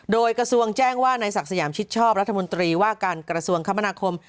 โดยกระทรวงแจ้งว่านายศักดิ์สยามชิดชอบรัฐมนตรีว่าการกระทรวงคมนาคม